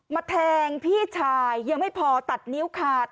แทงพี่ชายยังไม่พอตัดนิ้วขาด